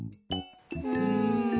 うん。